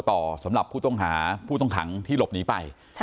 พร้อมด้วยผลตำรวจเอกนรัฐสวิตนันอธิบดีกรมราชทัน